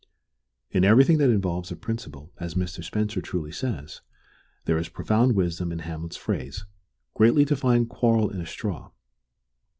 In everything that involves a principle, as Mr. Spencer truly says, there is profound wisdom in Hamlet's phrase, "Greatly to find quarrel in a straw."